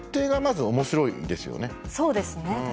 そうですね。